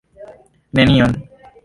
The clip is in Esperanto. neniom